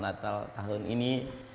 katanya natal natal tahun ini